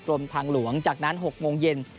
กรมทางหลวงจากนั้น๖โมงเย็น